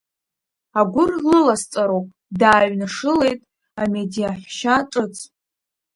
Агәыр лыласҵароуп, дааҩнашылеит амедиаҳәшьа ҿыц.